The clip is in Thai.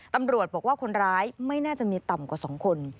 ตำรวจบอกว่าคนร้ายไม่น่าจะมีต่ำกว่า๒คน